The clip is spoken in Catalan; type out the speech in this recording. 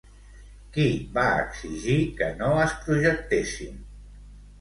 Qui va exigir que no es projectessin?